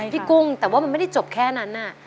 กุ้งแต่ว่ามันไม่ได้จบแค่นั้น